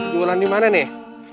jualan dimana nih